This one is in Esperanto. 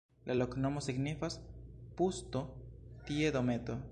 La loknomo signifas: pusto-tie-dometo.